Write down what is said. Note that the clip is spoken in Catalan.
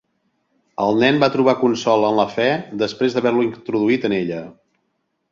El nen va trobar consol en la fé després d'haver-lo introduït en ella.